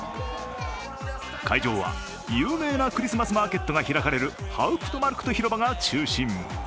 会場は、有名なクリスマスマーケットが開かれるハウプトマルクト広場が中心。